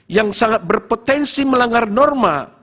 yang sangat berpotensi melanggar norma